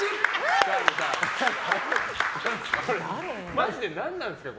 マジで何なんですか？